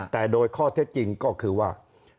แต่โดยข้อเท็จจริงก็คือว่า